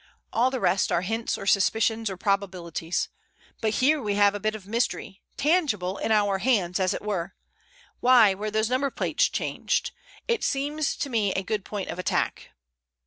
All the rest are hints or suspicions or probabilities. But here we have a bit of mystery, tangible, in our hands, as it were. Why were those number plates changed? It seems to me a good point of attack."